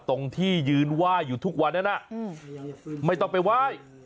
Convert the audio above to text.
ตรงที่ยืนไหว้อยู่ทุกวันนั้นไม่ต้องไปไหว้